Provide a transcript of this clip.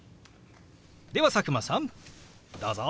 では佐久間さんどうぞ！